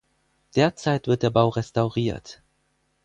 Derzeit wird der Bau restauriert.